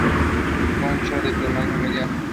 Concha de tamaño mediano.